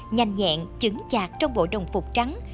nhanh nhẹn chứng chạc trong bộ đồng phục trắng